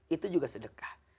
itu juga sedekah